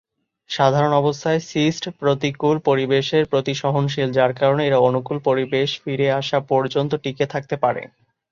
সাধারণ অবস্থায় সিস্ট প্রতিকূল পরিবেশের প্রতি সহনশীল, যার কারণে এরা অনুকূল পরিবেশ ফিরে আসা পর্যন্ত টিকে থাকতে পারে।